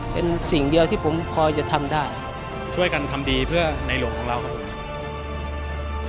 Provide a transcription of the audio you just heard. เป็นสิ่งเดียวที่ผมพอจะทำได้ช่วยกันทำดีเพื่อในหลวงของเราครับผม